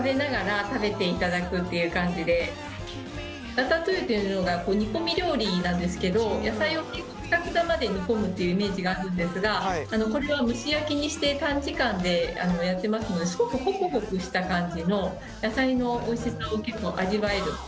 ラタトゥイユっていうのが煮込み料理なんですけど野菜をクタクタまで煮込むっていうイメージがあるんですがこれは蒸し焼きにして短時間でやってますのですごくホクホクした感じの野菜のおいしさを結構味わえる。